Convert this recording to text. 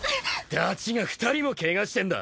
ダチが２人もケガしてんだ。